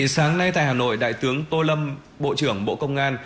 sáng nay tại hà nội đại tướng tô lâm bộ trưởng bộ công an